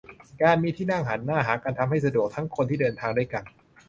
การมีที่นั่งหันหน้าหากันทำให้สะดวกทั้งคนที่เดินทางด้วยกัน